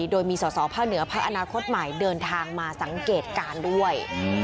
โดยมีสอสอภาคเหนือภาคอนาคตใหม่เดินทางมาสังเกตการณ์ด้วย